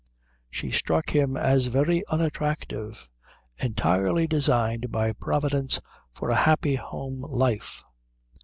She struck him as very unattractive, entirely designed by Providence for a happy home life.